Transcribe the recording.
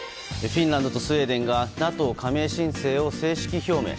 フィンランドとスウェーデンがＮＡＴＯ加盟申請を正式表明。